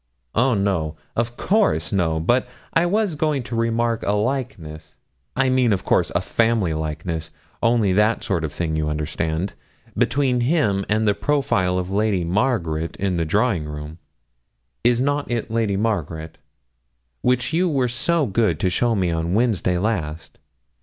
'Oh, no, of course, no; but I was going to remark a likeness I mean, of course, a family likeness only that sort of thing you understand between him and the profile of Lady Margaret in the drawing room is not it Lady Margaret? which you were so good as to show me on Wednesday last.